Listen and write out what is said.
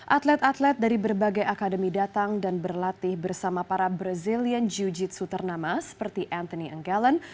atlet atlet dari berbagai akademi datang dan berlatih bersama para brazilian jiu jitsu ternama seperti anthony enggalen